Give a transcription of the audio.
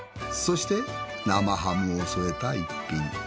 そして生ハムを添えた一品。